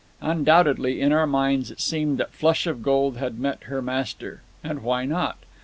Undoubtedly, in our minds, it seemed that Flush of Gold had met her master. And why not?